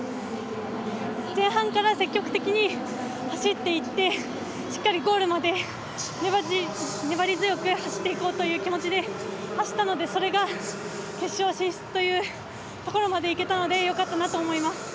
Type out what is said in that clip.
前半から積極的に走っていってしっかりゴールまで粘り強く走っていこうという気持ちで走ったのでそれが決勝進出というところまでいけたのでよかったなと思います。